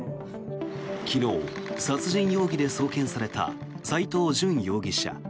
昨日、殺人容疑で送検された斎藤淳容疑者。